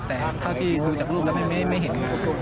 แต่เท่าที่ดูจากรูปแล้วไม่เห็น